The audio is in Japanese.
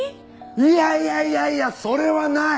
いやいやいやいやそれはない！